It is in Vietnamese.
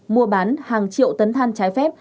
mua bán hàng triệu tấn than trái phép